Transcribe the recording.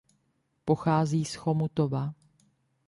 Pochází z Chomutova.